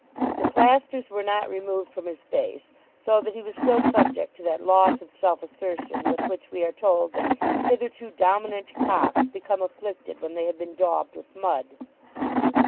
The plasters were not removed from his face, so that he was still subject to that loss of self assertion with which we are told that hitherto dominant cocks become afflicted when they have been daubed with mud.